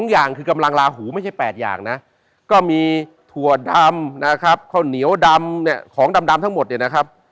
อย่างคือกำลังลาหูไม่ใช่๘อย่างนะก็มีถั่วดำนะครับข้าวเหนียวดำเนี่ยของดำทั้งหมดเนี่ยนะครับ